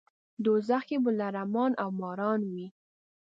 دوزخ کې به لړمان او ماران وي.